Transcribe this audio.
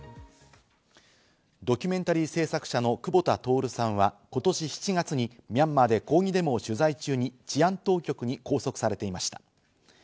ドキュメンタリー制作者の久保田徹さんは今年７月にミャンマーで抗議デモを取材中に治安当局に拘束されていました。